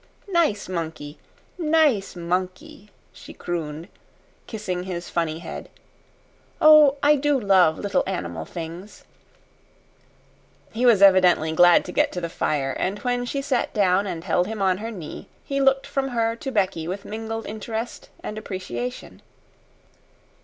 "Nice monkey! Nice monkey!" she crooned, kissing his funny head. "Oh, I do love little animal things." He was evidently glad to get to the fire, and when she sat down and held him on her knee he looked from her to Becky with mingled interest and appreciation.